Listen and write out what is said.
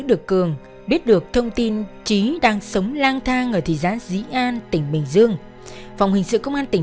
đối tượng thừa nhận hành vi của mình